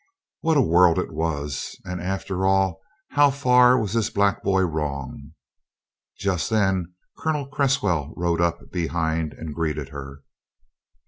What a world it was, and after all how far was this black boy wrong? Just then Colonel Cresswell rode up behind and greeted her.